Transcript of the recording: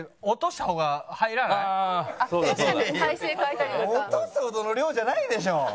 落とすほどの量じゃないでしょ！